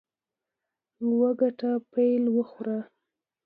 وګټه، پیل وخوره.